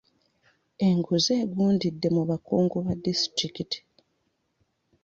Enguzi egundidde mu bakungu ba disitulikiti.